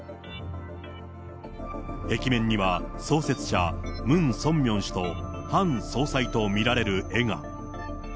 壁面には創設者、ムン・ソンミョン氏とハン総裁と見られる絵が。